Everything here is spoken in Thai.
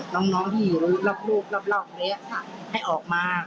น้องที่อยู่รอบรูปรอบรอบเล็กให้ออกมา